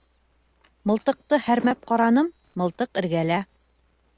Мылтыҡты һәрмәп ҡараным, мылтыҡ эргәлә.